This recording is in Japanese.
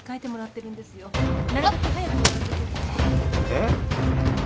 えっ？